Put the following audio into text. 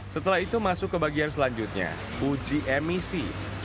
setelah itu masuk ke bagian selanjutnya uji emisi